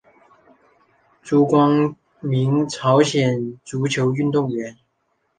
朱光民朝鲜足球运动员。